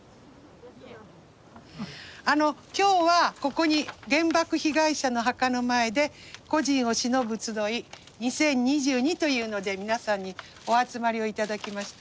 あの今日はここに原爆被害者の墓の前で故人を偲ぶつどい２０２２というので皆さんにお集まりを頂きました。